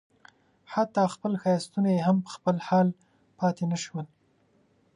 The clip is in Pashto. حتی خپل ښایستونه یې هم په خپل حال پاتې نه شول.